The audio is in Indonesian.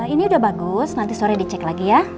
ini udah bagus nanti sore dicek lagi ya